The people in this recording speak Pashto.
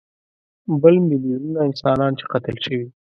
بل میلیونونه انسانان چې قتل شوي.